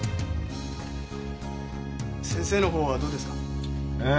先生の方はどうですか？